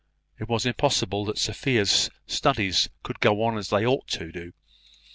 It was impossible that Sophia's studies could go on as they ought to do.